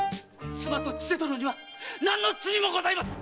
妻と千世殿には何の罪もございません‼